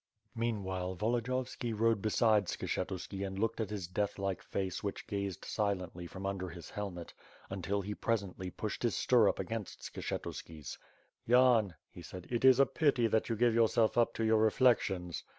Meanwhile, Volodiyovski rode beside Skshetuski and looked at his deathlike face which gazed silently from under his helmet, until he presently pushed his stirrup against Skshetu ski's. "Yan," he said, "it is a pity that you give yourself up to your reflections."